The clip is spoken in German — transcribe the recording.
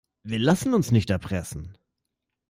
Wir lassen uns nicht erpressen.